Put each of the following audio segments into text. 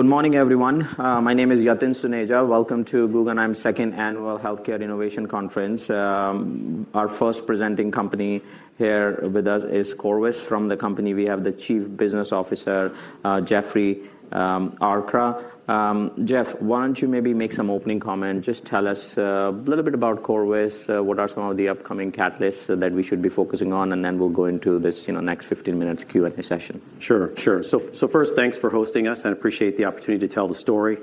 Good morning, everyone. My name is Yatin Suneja. Welcome to Google and I'm Second Annual Healthcare Innovation Conference. Our first presenting company here with us is Corvus. From the company, we have the Chief Business Officer, Jeffrey Arcara. Jeff, why don't you maybe make some opening comment? Just tell us a little bit about Corvus, what are some of the upcoming catalysts that we should be focusing on, and then we'll go into this next 15 minutes Q&A session. Sure, sure. First, thanks for hosting us. I appreciate the opportunity to tell the story.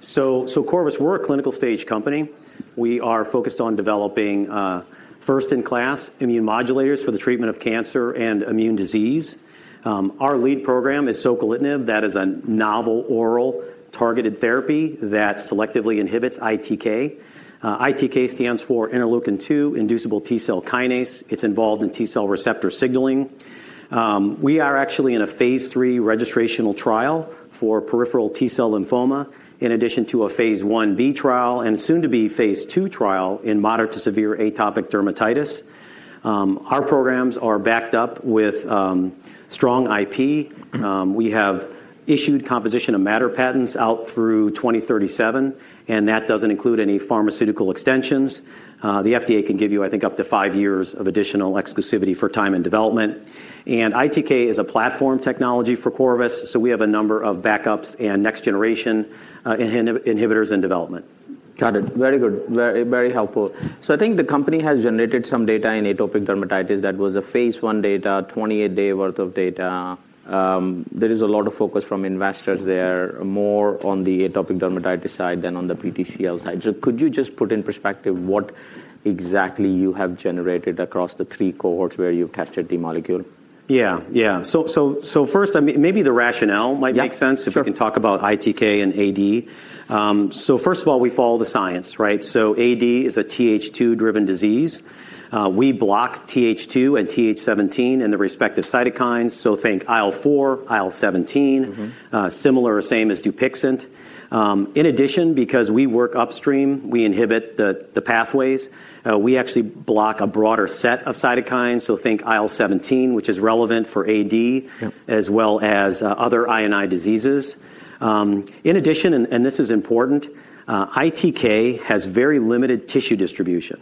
Corvus, we're a clinical stage company. We are focused on developing first-in-class immune modulators for the treatment of cancer and immune disease. Our lead program is soquelitinib. That is a novel oral targeted therapy that selectively inhibits ITK. ITK stands for interleukin-2-inducible T-cell kinase. It's involved in T-cell receptor signaling. We are actually in a phase III registrational trial for peripheral T-cell lymphoma, in addition to a phase Ib trial and soon-to-be phase II trial in moderate to severe atopic dermatitis. Our programs are backed up with strong IP. We have issued composition of matter patents out through 2037, and that does not include any pharmaceutical extensions. The FDA can give you, I think, up to five years of additional exclusivity for time and development. ITK is a platform technology for Corvus, so we have a number of backups and next-generation inhibitors in development. Got it. Very good. Very helpful. I think the company has generated some data in atopic dermatitis. That was a phase I data, 28-day worth of data. There is a lot of focus from investors there, more on the atopic dermatitis side than on the PTCL side. Could you just put in perspective what exactly you have generated across the three cohorts where you've tested the molecule? Yeah, yeah. First, maybe the rationale might make sense if we can talk about ITK and AD. First of all, we follow the science, right? AD is a Th2-driven disease. We block Th2 and Th17 in the respective cytokines, so think IL-4, IL-17, similar or same as Dupixent. In addition, because we work upstream, we inhibit the pathways. We actually block a broader set of cytokines, so think IL-17, which is relevant for AD, as well as other INI diseases. In addition, and this is important, ITK has very limited tissue distribution.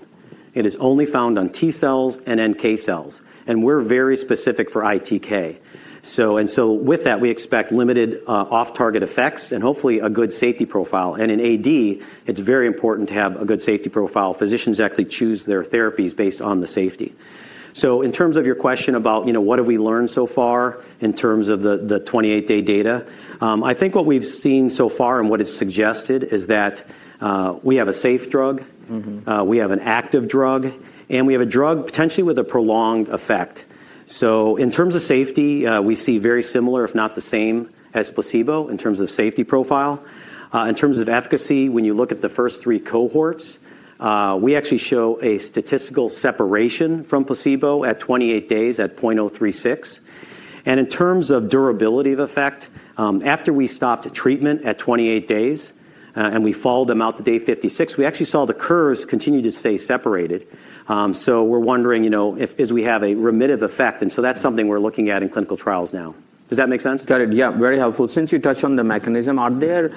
It is only found on T cells and NK cells. We are very specific for ITK. With that, we expect limited off-target effects and hopefully a good safety profile. In AD, it is very important to have a good safety profile. Physicians actually choose their therapies based on the safety. In terms of your question about what have we learned so far in terms of the 28-day data, I think what we've seen so far and what it's suggested is that we have a safe drug, we have an active drug, and we have a drug potentially with a prolonged effect. In terms of safety, we see very similar, if not the same, as placebo in terms of safety profile. In terms of efficacy, when you look at the first three cohorts, we actually show a statistical separation from placebo at 28 days at 0.036. In terms of durability of effect, after we stopped treatment at 28 days and we followed them out to day 56, we actually saw the curves continue to stay separated. We're wondering if we have a remissive effect. That is something we're looking at in clinical trials now. Does that make sense? Got it. Yeah, very helpful. Since you touched on the mechanism, are there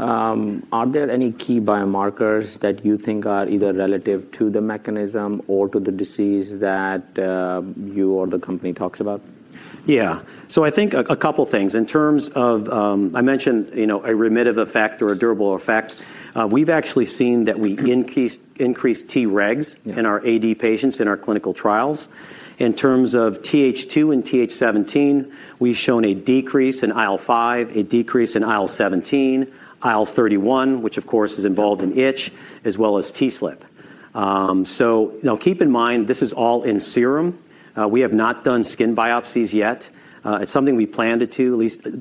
any key biomarkers that you think are either relative to the mechanism or to the disease that you or the company talks about? Yeah. So I think a couple of things. In terms of, I mentioned a remissive effect or a durable effect, we've actually seen that we increased Tregs in our AD patients in our clinical trials. In terms of Th2 and Th17, we've shown a decrease in IL-5, a decrease in IL-17, IL-31, which of course is involved in itch, as well as TSLP. Keep in mind, this is all in serum. We have not done skin biopsies yet. It's something we plan to do, at least in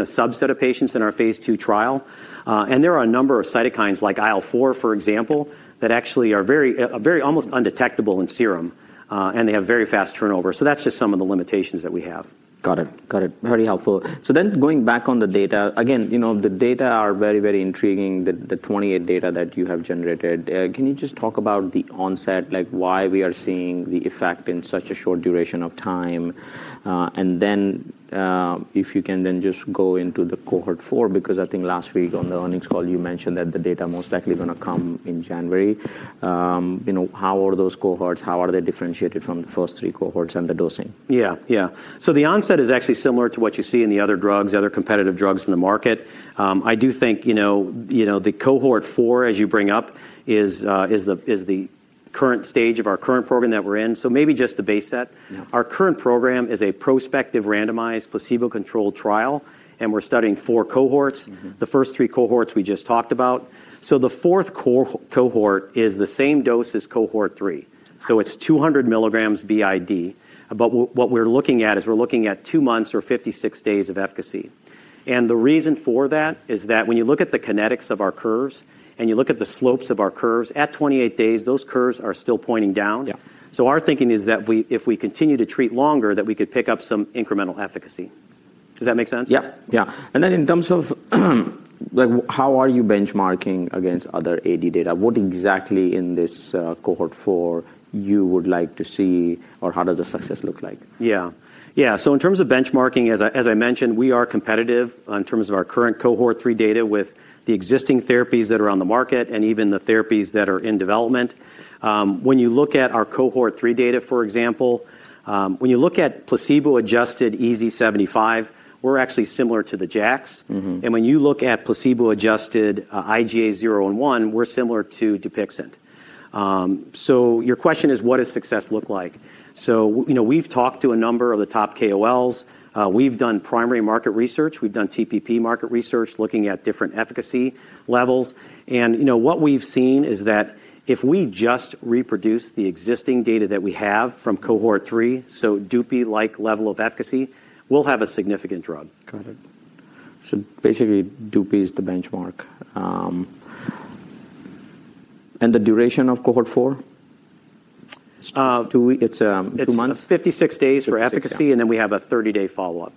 a subset of patients in our phase II trial. There are a number of cytokines like IL-4, for example, that actually are very almost undetectable in serum, and they have very fast turnover. That's just some of the limitations that we have. Got it. Got it. Very helpful. Going back on the data, again, the data are very, very intriguing, the 28 data that you have generated. Can you just talk about the onset, like why we are seeing the effect in such a short duration of time? If you can then just go into the cohort four, because I think last week on the earnings call, you mentioned that the data most likely going to come in January. How are those cohorts? How are they differentiated from the first three cohorts and the dosing? Yeah, yeah. The onset is actually similar to what you see in the other drugs, other competitive drugs in the market. I do think the cohort four, as you bring up, is the current stage of our current program that we're in. Maybe just to base that, our current program is a prospective randomized placebo-controlled trial, and we're studying four cohorts. The first three cohorts we just talked about. The fourth cohort is the same dose as cohort three, so it's 200mg b.i.d. What we're looking at is we're looking at two months or 56 days of efficacy. The reason for that is that when you look at the kinetics of our curves and you look at the slopes of our curves, at 28 days, those curves are still pointing down. Our thinking is that if we continue to treat longer, that we could pick up some incremental efficacy. Does that make sense? Yeah, yeah. In terms of how are you benchmarking against other AD data, what exactly in this cohort four you would like to see, or how does the success look like? Yeah, yeah. In terms of benchmarking, as I mentioned, we are competitive in terms of our current cohort three data with the existing therapies that are on the market and even the therapies that are in development. When you look at our cohort three data, for example, when you look at placebo-adjusted EASI-75, we're actually similar to the JAKs. When you look at placebo-adjusted IGA 0/1, we're similar to Dupixent. Your question is, what does success look like? We've talked to a number of the top KOLs. We've done primary market research. We've done TPP market research looking at different efficacy levels. What we've seen is that if we just reproduce the existing data that we have from cohort three, so Dupixent-like level of efficacy, we'll have a significant drug. Got it. So basically, DUPI is the benchmark. And the duration of cohort four? It's two months? It's 56 days for efficacy, and then we have a 30-day follow-up.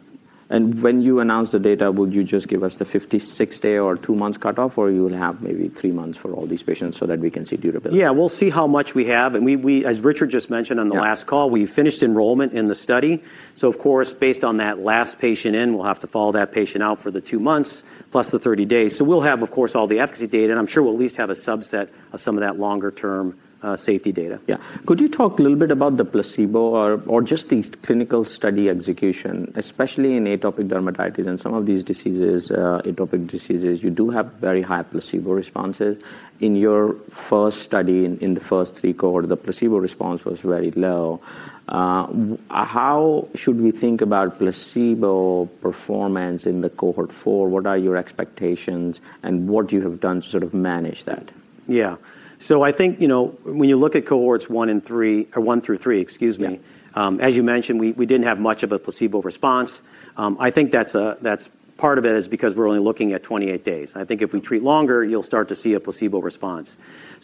When you announce the data, would you just give us the 56-day or two-month cutoff, or will you have maybe three months for all these patients so that we can see durability? Yeah, we'll see how much we have. As Richard just mentioned on the last call, we finished enrollment in the study. Of course, based on that last patient in, we'll have to follow that patient out for the two months plus the 30 days. We'll have, of course, all the efficacy data, and I'm sure we'll at least have a subset of some of that longer-term safety data. Yeah. Could you talk a little bit about the placebo or just the clinical study execution, especially in atopic dermatitis and some of these diseases, atopic diseases? You do have very high placebo responses. In your first study, in the first three cohorts, the placebo response was very low. How should we think about placebo performance in the cohort four? What are your expectations and what you have done to sort of manage that? Yeah. So I think when you look at cohorts one and three or one through three, excuse me, as you mentioned, we did not have much of a placebo response. I think that is part of it because we are only looking at 28 days. I think if we treat longer, you will start to see a placebo response.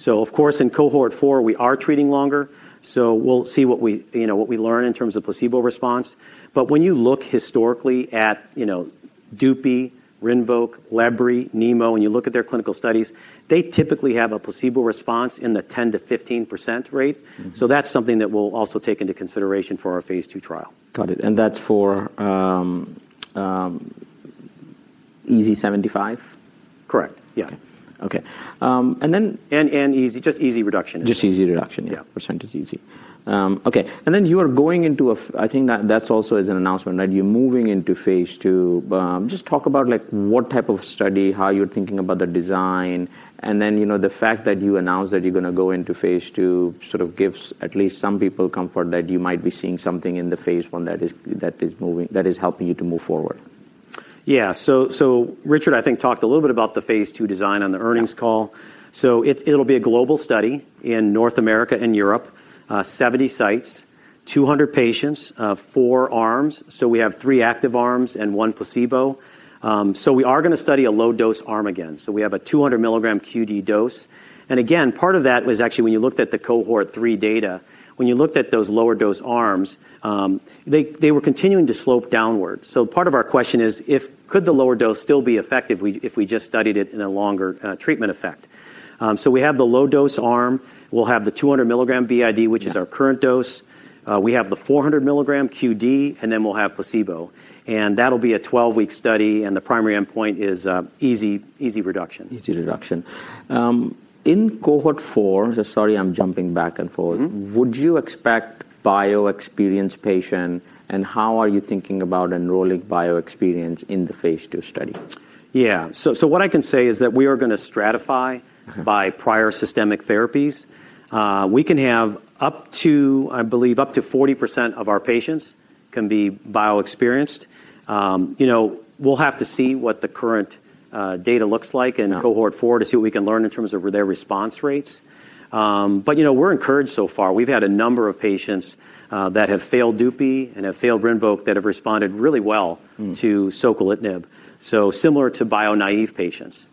Of course, in cohort four, we are treating longer. We will see what we learn in terms of placebo response. When you look historically at Dupixent, Rinvoq, lebrikizumab, nemolizumab, and you look at their clinical studies, they typically have a placebo response in the 10%-15% range. That is something that we will also take into consideration for our phase II trial. Got it. And that's for EASI-75? Correct. Yeah. OK. And then. Just easy reduction. Just EASI reduction, yeah. Percentage EASI. OK. And then you are going into a, I think that's also as an announcement, right? You're moving into phase II. Just talk about what type of study, how you're thinking about the design, and then the fact that you announced that you're going to go into phase II sort of gives at least some people comfort that you might be seeing something in the phase I that is helping you to move forward. Yeah. Richard, I think, talked a little bit about the phase II design on the earnings call. It'll be a global study in North America and Europe, 70 sites, 200 patients, four arms. We have three active arms and one placebo. We are going to study a low-dose arm again. We have a 200 milligram QD dose. Part of that was actually when you looked at the cohort three data, when you looked at those lower-dose arms, they were continuing to slope downward. Part of our question is, could the lower dose still be effective if we just studied it in a longer treatment effect? We have the low-dose arm. We'll have the 200 milligram b.i.d., which is our current dose. We have the 400 milligram QD, and then we'll have placebo. That'll be a 12-week study, and the primary endpoint is EASI reduction. Easy reduction. In cohort four, sorry, I'm jumping back and forth. Would you expect bio-experienced patients, and how are you thinking about enrolling bio-experienced in the phase II study? Yeah. So what I can say is that we are going to stratify by prior systemic therapies. We can have up to, I believe, up to 40% of our patients can be bio-experienced. We'll have to see what the current data looks like in cohort four to see what we can learn in terms of their response rates. We are encouraged so far. We've had a number of patients that have failed Dupixent and have failed Rinvoq that have responded really well to soquelitinib, so similar to bio-naive patients.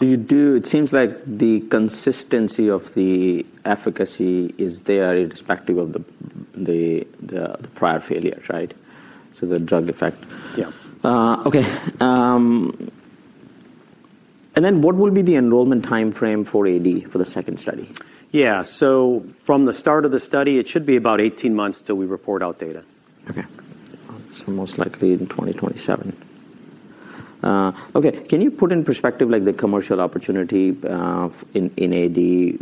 It seems like the consistency of the efficacy is there irrespective of the prior failures, right? So the drug effect. Yeah. OK. What will be the enrollment time frame for AD for the second study? Yeah. From the start of the study, it should be about 18 months till we report out data. OK. So most likely in 2027. OK. Can you put in perspective the commercial opportunity in AD?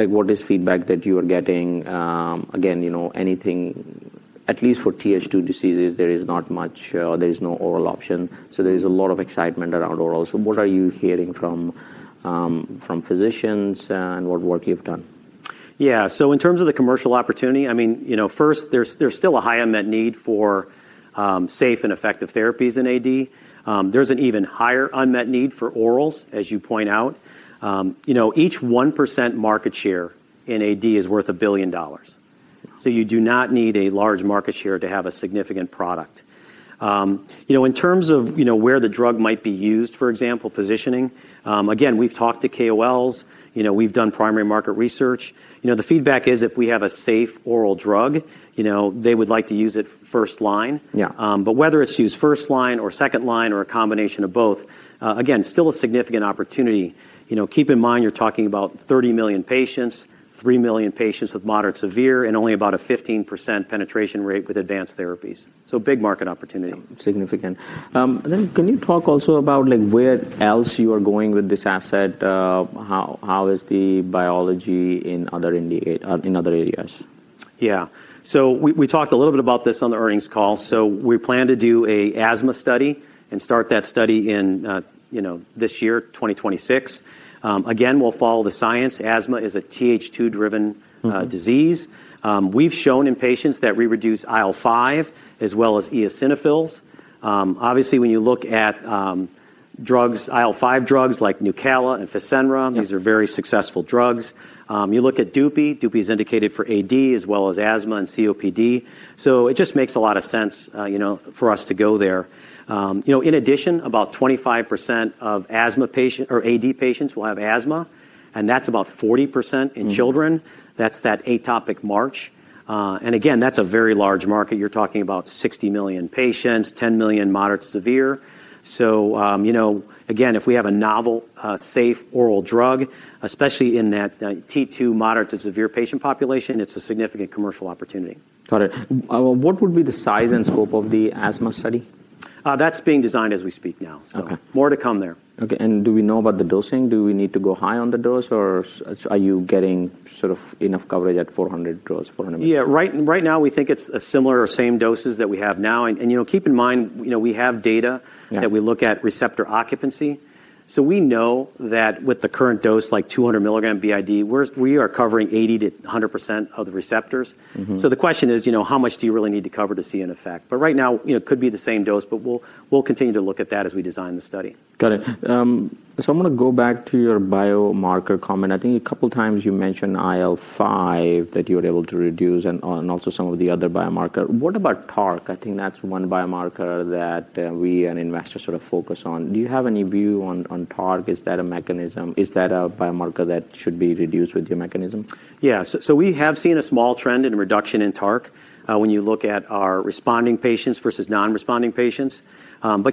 What is feedback that you are getting? Again, anything, at least for Th2 diseases, there is not much, or there is no oral option. So there is a lot of excitement around oral. So what are you hearing from physicians and what work you've done? Yeah. So in terms of the commercial opportunity, I mean, first, there's still a high unmet need for safe and effective therapies in AD. There's an even higher unmet need for orals, as you point out. Each 1% market share in AD is worth $1 billion. So you do not need a large market share to have a significant product. In terms of where the drug might be used, for example, positioning, again, we've talked to KOLs. We've done primary market research. The feedback is if we have a safe oral drug, they would like to use it first line. But whether it's used first line or second line or a combination of both, again, still a significant opportunity. Keep in mind, you're talking about 30 million patients, 3 million patients with moderate severe, and only about a 15% penetration rate with advanced therapies. So big market opportunity. Significant. Can you talk also about where else you are going with this asset? How is the biology in other areas? Yeah. We talked a little bit about this on the earnings call. We plan to do an asthma study and start that study in this year, 2026. Again, we'll follow the science. Asthma is a Th2-driven disease. We've shown in patients that we reduce IL-5 as well as eosinophils. Obviously, when you look at drugs, IL-5 drugs like Nucala and Fasenra, these are very successful drugs. You look at DUPI. DUPI is indicated for AD as well as asthma and COPD. It just makes a lot of sense for us to go there. In addition, about 25% of asthma patients or AD patients will have asthma, and that's about 40% in children. That is that atopic march. Again, that is a very large market. You're talking about 60 million patients, 10 million moderate severe. Again, if we have a novel safe oral drug, especially in that T2 moderate to severe patient population, it's a significant commercial opportunity. Got it. What would be the size and scope of the asthma study? That's being designed as we speak now. More to come there. OK. Do we know about the dosing? Do we need to go high on the dose, or are you getting sort of enough coverage at 400 dose? Yeah. Right now, we think it's similar or same doses that we have now. And keep in mind, we have data that we look at receptor occupancy. So we know that with the current dose, like 200 mg b.i.d., we are covering 80%-100% of the receptors. So the question is, how much do you really need to cover to see an effect? But right now, it could be the same dose, but we'll continue to look at that as we design the study. Got it. I'm going to go back to your biomarker comment. I think a couple of times you mentioned IL-5 that you were able to reduce and also some of the other biomarker. What about TARC? I think that's one biomarker that we and investors sort of focus on. Do you have any view on TARC? Is that a mechanism? Is that a biomarker that should be reduced with your mechanism? Yeah. We have seen a small trend in reduction in TARC when you look at our responding patients versus non-responding patients.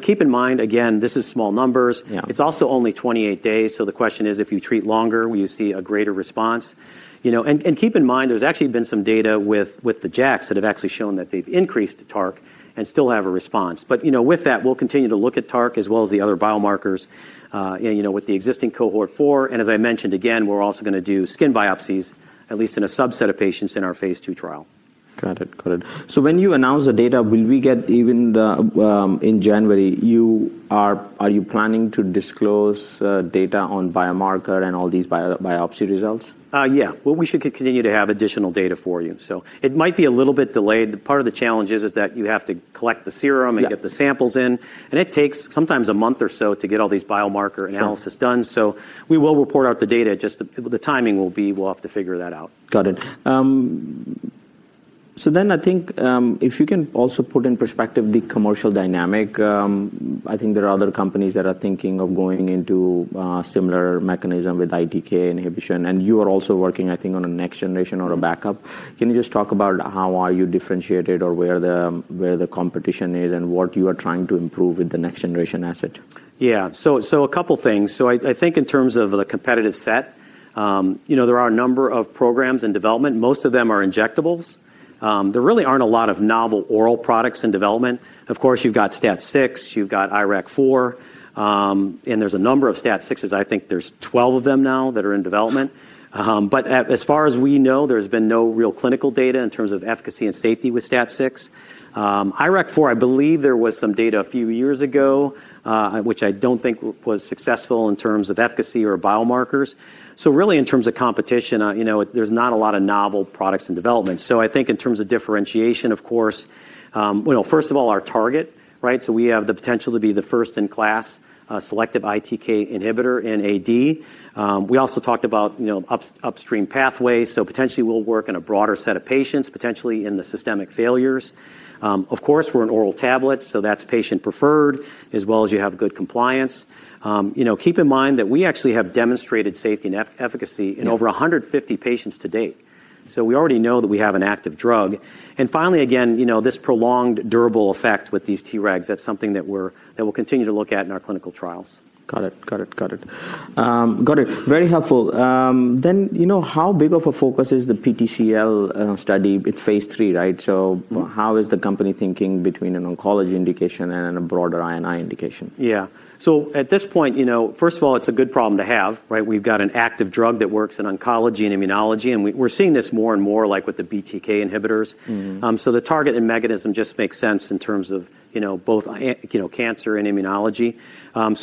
Keep in mind, again, this is small numbers. It is also only 28 days. The question is, if you treat longer, will you see a greater response? Keep in mind, there has actually been some data with the JAKs that have actually shown that they have increased TARC and still have a response. With that, we will continue to look at TARC as well as the other biomarkers with the existing cohort four. As I mentioned, again, we are also going to do skin biopsies, at least in a subset of patients in our phase II trial. Got it. Got it. When you announce the data, will we get, even in January, are you planning to disclose data on biomarker and all these biopsy results? Yeah. We should continue to have additional data for you. It might be a little bit delayed. Part of the challenge is that you have to collect the serum and get the samples in. It takes sometimes a month or so to get all these biomarker analysis done. We will report out the data. The timing will be, we'll have to figure that out. Got it. So then I think if you can also put in perspective the commercial dynamic, I think there are other companies that are thinking of going into a similar mechanism with ITK inhibition. And you are also working, I think, on a next generation or a backup. Can you just talk about how are you differentiated or where the competition is and what you are trying to improve with the next generation asset? Yeah. So a couple of things. I think in terms of the competitive set, there are a number of programs in development. Most of them are injectables. There really are not a lot of novel oral products in development. Of course, you have got STAT6. You have got IRAK4. And there are a number of STAT6s. I think there are 12 of them now that are in development. As far as we know, there has been no real clinical data in terms of efficacy and safety with STAT6. IRAK4, I believe there was some data a few years ago, which I do not think was successful in terms of efficacy or biomarkers. Really, in terms of competition, there is not a lot of novel products in development. I think in terms of differentiation, of cours`e, first of all, our target, right? We have the potential to be the first in class selective ITK inhibitor in AD. We also talked about upstream pathways. Potentially, we'll work on a broader set of patients, potentially in the systemic failures. Of course, we're an oral tablet, so that's patient preferred, as well as you have good compliance. Keep in mind that we actually have demonstrated safety and efficacy in over 150 patients to date. We already know that we have an active drug. Finally, again, this prolonged durable effect with these Tregs, that's something that we'll continue to look at in our clinical trials. Got it. Very helpful. Then how big of a focus is the PTCL study? It's phase III, right? How is the company thinking between an oncology indication and a broader INI indication? Yeah. At this point, first of all, it's a good problem to have, right? We've got an active drug that works in oncology and immunology. We're seeing this more and more like with the BTK inhibitors. The target and mechanism just makes sense in terms of both cancer and immunology.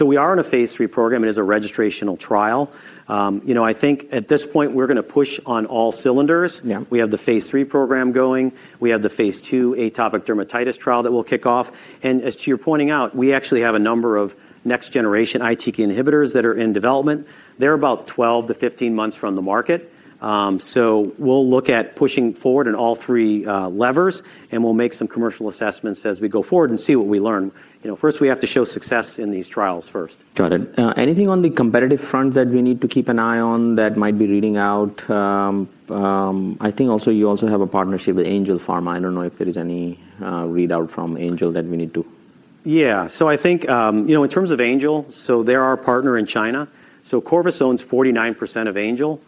We are in a phase III program. It is a registrational trial. I think at this point, we're going to push on all cylinders. We have the phase III program going. We have the phase II atopic dermatitis trial that will kick off. As you're pointing out, we actually have a number of next generation ITK inhibitors that are in development. They're about 12-15 months from the market. We'll look at pushing forward in all three levers, and we'll make some commercial assessments as we go forward and see what we learn. First, we have to show success in these trials first. Got it. Anything on the competitive front that we need to keep an eye on that might be reading out? I think also you also have a partnership with Angelini Pharma. I do not know if there is any readout from Angelini that we need to. Yeah. So I think in terms of Angel, so they're our partner in China. So Corvus owns 49% of Angel.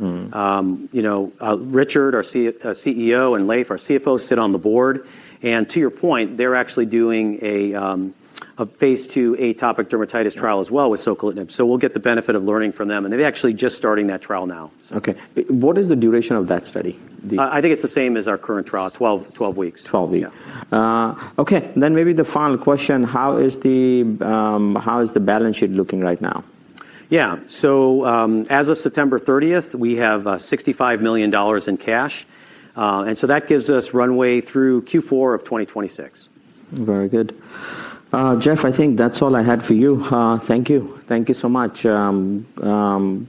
Richard, our CEO, and Leif, our CFO, sit on the board. To your point, they're actually doing a phase II atopic dermatitis trial as well with soquelitinib. We'll get the benefit of learning from them. They're actually just starting that trial now. OK. What is the duration of that study? I think it's the same as our current trial, 12 weeks. 12 weeks. OK. Then maybe the final question, how is the balance sheet looking right now? Yeah. As of September 30, we have $65 million in cash. That gives us runway through Q4 of 2026. Very good. Jeff, I think that's all I had for you. Thank you. Thank you so much. We're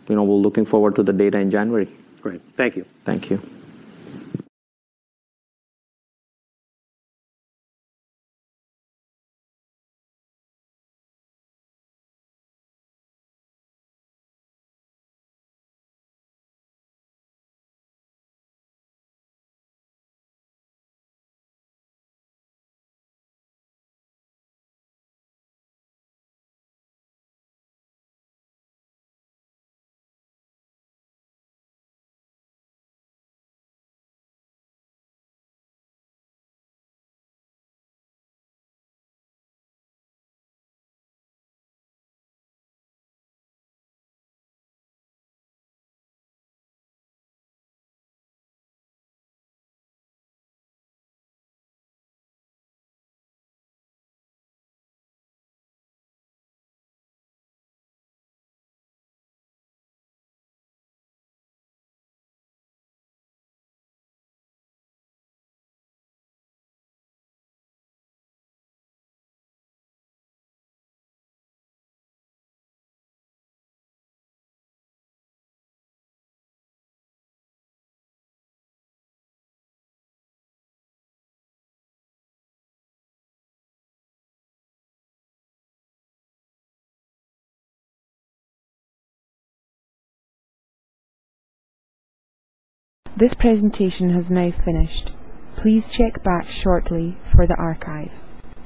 looking forward to the data in January. Great. Thank you. Thank you. This presentation has now finished. Please check back shortly for the archive.